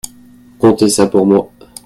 Comptez ça pour moi.